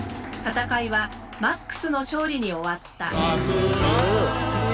戦いはＭＡＸの勝利に終わった。